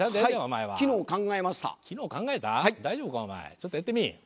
ちょっとやってみい。